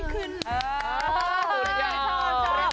ขอบคุณจ้า